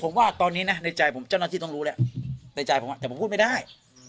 ผมว่าตอนนี้นะในใจผมเจ้าหน้าที่ต้องรู้แล้วในใจผมแต่ผมพูดไม่ได้